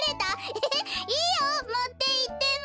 エヘヘいいよもっていっても。